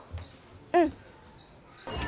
うん。